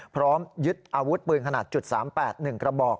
พร้อมยึดอาวุธปืนขนาด๓๘๑กระบอก